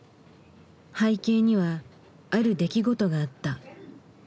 背景にはある出来事があった。